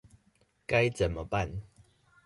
該怎麼辦